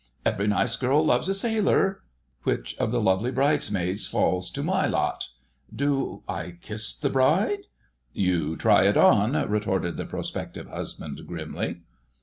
'Every nice girl loves a sailor....' Which of the lucky bridesmaids falls to my lot? Do I kiss the bride...?" "You try it on," retorted the prospective husband grimly.